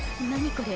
これ。